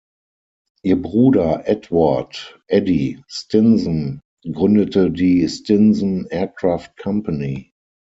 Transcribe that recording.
Ihr Bruder Edward „Eddie“ Stinson gründete die Stinson Aircraft Company.